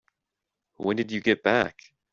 When did you get back?